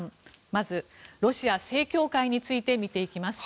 まず、ロシア正教会について見ていきます。